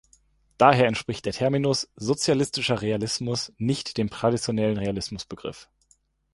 Daher entspricht der Terminus „sozialistischer Realismus“ nicht dem traditionellen Realismus-Begriff.